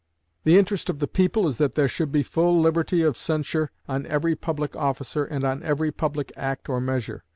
The interest of the people is that there should be full liberty of censure on every public officer, and on every public act or measure.